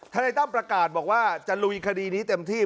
นายตั้มประกาศบอกว่าจะลุยคดีนี้เต็มที่